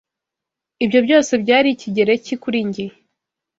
Ibyo byose byari Ikigereki kuri njye.